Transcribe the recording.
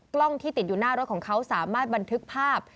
กล้องที่ติดอยู่หน้ารถของเขาสามารถบันทึกภาพ